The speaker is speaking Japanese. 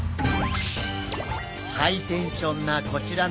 ハイテンションなこちらの男性。